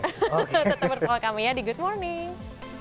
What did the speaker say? tetap bersama kami ya di good morning